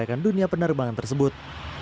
untuk penerbangan tersebut